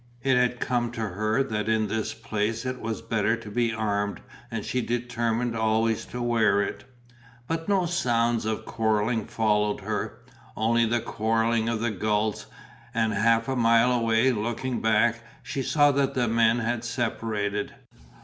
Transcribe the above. It had come to her that in this place it was better to be armed and she determined always to wear it. But no sounds of quarrelling followed her, only the quarrelling of the gulls, and half a mile away, looking back, she saw that the men had separated.